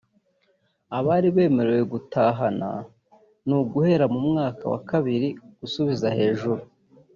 abari bemerewe guhatana ni uguhera mu mwaka wa kabiri gusubiza hejuru